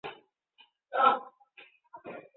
母叶氏。